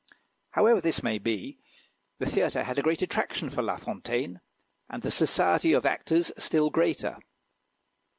However this may be, the theatre had a great attraction for La Fontaine, and the society of actors a still greater.